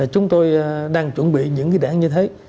chúng tôi đang chuẩn bị những đảng như thế